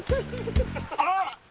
あっ！